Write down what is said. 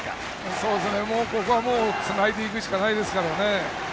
ここはつないでいくしかないですから。